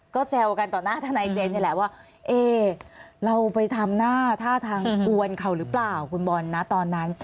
ก็แซวกันต่อหน้าทนายเจนนี่แหละว่าเอ๊เราไปทำหน้าท่าทางกวนเขาหรือเปล่าคุณบอลนะตอนนั้น